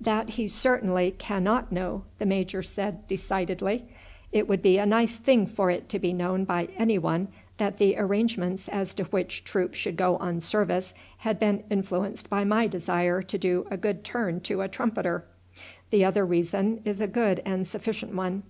"That he certainly cannot know," the major said decidedly. "It would be a nice thing for it to be known by anyone that the arrangements as to which troop should go on service had been influenced by my desire to do a good turn to a trumpeter. The other reason is a good and sufficient one.